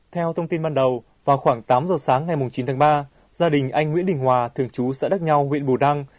theo thông tin ban đầu vào khoảng tám giờ sáng ngày chín tháng ba gia đình anh nguyễn đình hòa thường trú xã đắc nhau huyện bù đăng